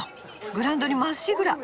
グラウンドにまっしぐら。